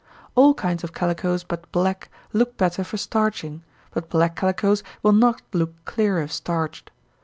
All kinds of calicoes but black, look better for starching, but black calicoes will not look clear if starched.